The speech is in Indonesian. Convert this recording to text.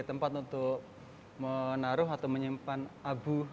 tempat untuk menaruh atau menyimpan abu